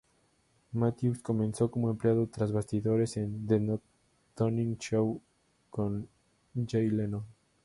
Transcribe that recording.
Mathews comenzó como empleado tras bastidores en The Tonight Show con Jay Leno.